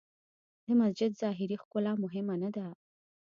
د مسجد ظاهري ښکلا مهمه نه ده.